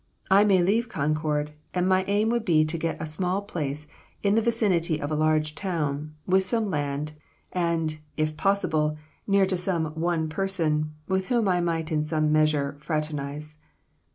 I may leave Concord, and my aim would be to get a small place, in the vicinity of a large town, with some land, and, if possible, near to some one person with whom I might in some measure fraternize.